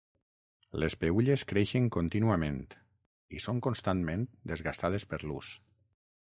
Les peülles creixen contínuament i són constantment desgastades per l'ús.